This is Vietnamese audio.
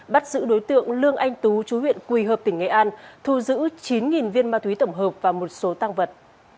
bắt giữ đối tượng lương anh tú chú huyện quỳ hợp tỉnh nghệ an thu giữ chín viên ma túy tổng hợp và một số tăng vật